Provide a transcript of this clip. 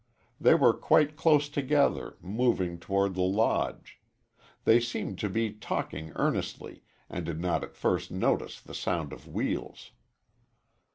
They were quite close together, moving toward the Lodge. They seemed to be talking earnestly, and did not at first notice the sound of wheels.